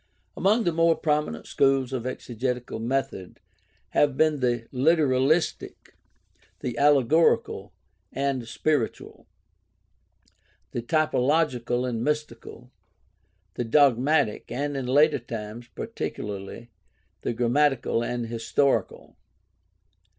Among the more prominent schools of exegetical method have been the literalistic, the allegorical and spiritual, the typological and mystical, the dogmatic, and, in later times particularly, the grammatical and historical.